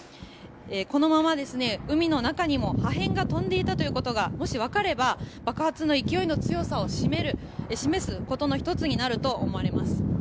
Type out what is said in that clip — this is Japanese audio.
このまま海の中にも破片が飛んでいたということがもしわかれば爆発の勢いの強さを示すことの１つになると思われます。